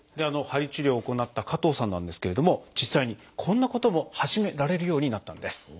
鍼治療を行った加藤さんなんですけれども実際にこんなことも始められるようになったんです。